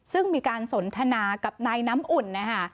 ซึ่งมีการสนทนากับนายน้ำอุ่นนะคะ